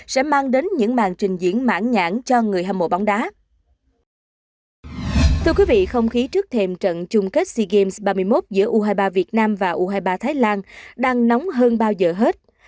sẽ mang đến những màn trình